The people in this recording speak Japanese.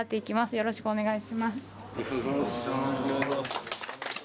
よろしくお願いします。